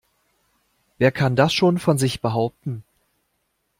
Wer kann das schon von sich behaupten?